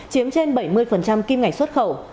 chiếm trên bảy mươi kim ngạch xuất khẩu